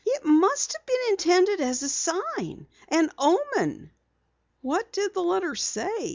"It must have been intended as a sign an omen." "What did the letter say?"